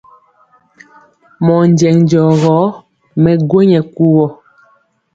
Mɔɔ njɛŋ jɔ gɔ, mɛ gwo nyɛ kuvɔ.